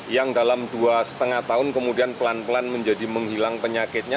yang dalam dua lima tahun kemudian pelan pelan menjadi menghilang penyakitnya